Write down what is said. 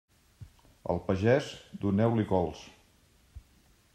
Al pagès, doneu-li cols.